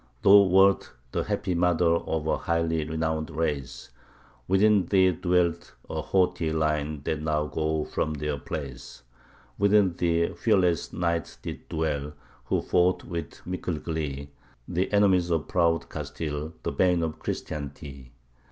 Thou wert the happy mother of a high renownèd race; Within thee dwelt a haughty line that now go from their place; Within thee fearless knights did dwell, who fought with mickle glee, The enemies of proud Castile, the bane of Christentie.